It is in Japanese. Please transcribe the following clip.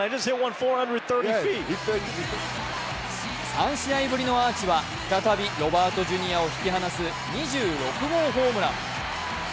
３試合ぶりのアーチは再びロバートＪｒを引き離す２６号ホームラン。